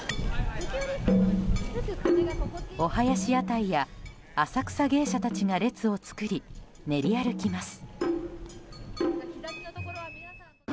おはやし屋台や、浅草芸者たちが列を作り、練り歩きます。